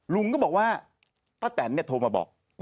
ลุงก็บอกว่าป้าแตนเนี่ยโทรมาบอก